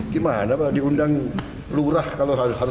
gimana pak diundang lurah kalau harus